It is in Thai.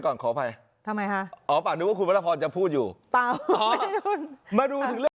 เดินไปแล้วหันไปคงจะต้องอย่างนี้ค่ะ